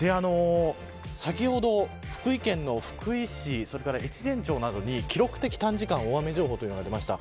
先ほど福井県の福井市それから越前町などで記録的短時間大雨情報が出ました。